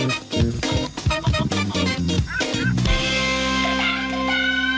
อืมอืม